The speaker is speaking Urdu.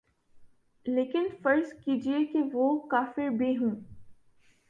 لیکن فرض کیجیے کہ وہ کافر بھی ہوں۔